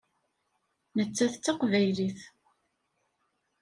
Nettat d Taqbaylit.